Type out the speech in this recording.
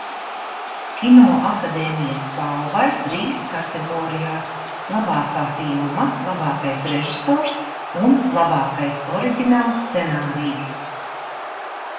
"Kinoakadēmijas balvai trīs kategorijās "Labākā filma", "Labākais režisors" un "Labākais oriģinālscenārijs"."